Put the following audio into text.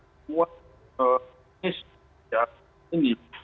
atau kondisi yang tinggi